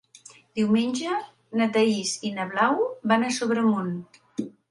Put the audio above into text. Diumenge na Thaís i na Blau van a Sobremunt.